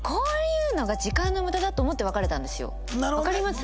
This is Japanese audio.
わかります？